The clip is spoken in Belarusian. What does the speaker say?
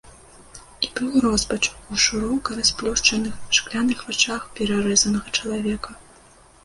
І быў роспач у шырока расплюшчаных, шкляных вачах перарэзанага чалавека.